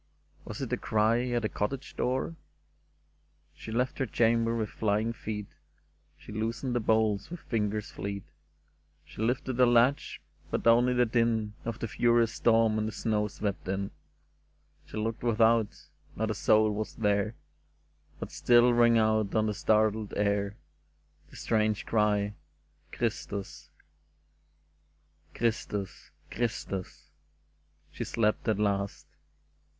Was it a cry at the cottage door ? She left her chamber with flying feet ; She loosened the bolts with fingers fleet ; She lifted the latch, but only the din Of the furious storm and the snow swept in. She looked without : not a soul was there, But still rang out on the startled air The strange cry, '^ Christus!" '* Christus ! Christus !" She slept at last.